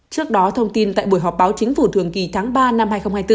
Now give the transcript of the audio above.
trước đó thông tin tại buổi họp báo chính phủ thường kỳ tháng ba năm hai nghìn hai mươi bốn